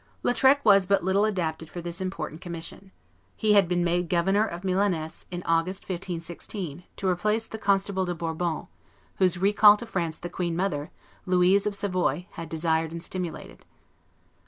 Lautrec was but little adapted for this important commission. He had been made governor of Milaness in August, 1516, to replace the Constable de Bourbon, whose recall to France the queen mother, Louise of Savoy, had desired and stimulated.